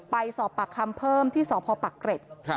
ไปสอบปากคำเพิ่มที่สพปักเกร็ด